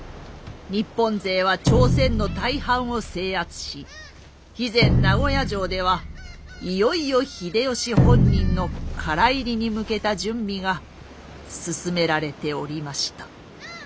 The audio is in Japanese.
日本勢は朝鮮の大半を制圧し肥前名護屋城ではいよいよ秀吉本人の唐入りに向けた準備が進められておりました。